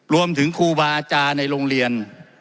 ครูบาอาจารย์ในโรงเรียน